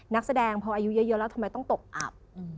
นักแสดงพออายุเยอะแล้วทำไมต้องตกอับ